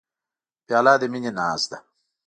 پیاله د مینې ناز ده.